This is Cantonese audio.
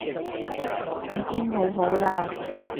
已經好好啦